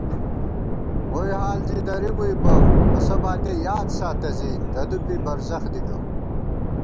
ووئی حال زی درِبُوئی بہ اسہ باتِیَہ یاد ساتہ زی ددُوپی برزَخ دِکہ